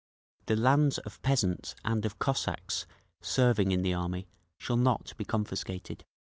The lands of peasants and of Cossacks serving in the Army shall not be confiscated.